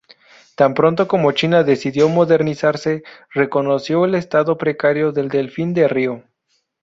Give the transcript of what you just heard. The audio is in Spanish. Tan pronto como China decidió modernizarse reconoció el estado precario del delfín de río.